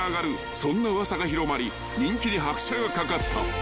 ［そんな噂が広まり人気に拍車がかかった］